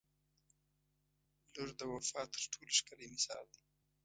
• لور د وفا تر ټولو ښکلی مثال دی.